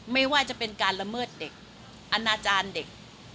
ไม่ว่าจะเป็นการละเมิดเด็กอนาจารย์เด็ก